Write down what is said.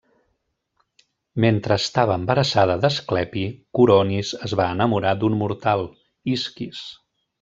Mentre estava embarassada d'Asclepi, Coronis es va enamorar d'un mortal, Isquis.